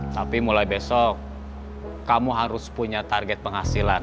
tapi mulai besok kamu harus punya target penghasilan